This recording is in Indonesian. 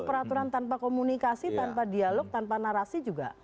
peraturan tanpa komunikasi tanpa dialog tanpa narasi juga